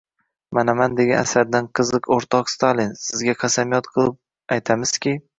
Manaman degan asardan qiziq: “O’rtoq Stalin, sizga qasamyod qilib qilib aytamizki